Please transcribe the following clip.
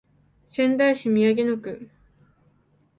仙台市宮城野区